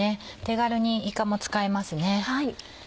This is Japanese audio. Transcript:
手軽にいかも使えますね。